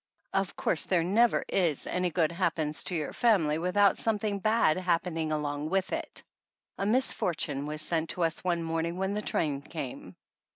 Of course there never is any good happens to your family without something bad happening along with it. A misfortune was sent to us one morning when the train came.